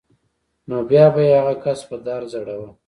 نو بیا به یې هغه کس په دار ځړاوه